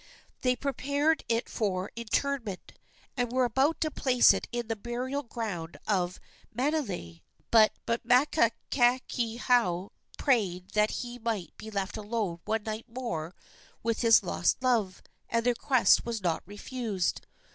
They prepared it for interment, and were about to place it in the burial ground of Manele; but Makakehau prayed that he might be left alone one night more with his lost love, and the request was not refused.